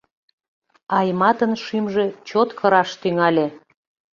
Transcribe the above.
Айматын шӱмжӧ чот кыраш тӱҥале.